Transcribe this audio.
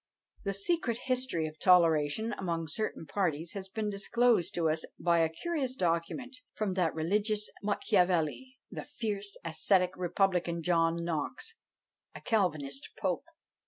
The secret history of toleration among certain parties has been disclosed to us by a curious document, from that religious Machiavel, the fierce ascetic republican John Knox, a calvinistical Pope.